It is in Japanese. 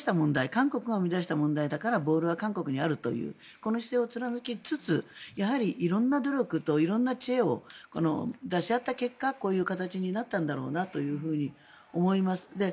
韓国が生み出した問題だからボールは韓国にあるというこの姿勢を貫きつつやはり色んな努力と色んな知恵を出し合った結果こういう形になったんだろうなと思います。